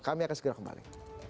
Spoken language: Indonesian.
kami akan segera kembali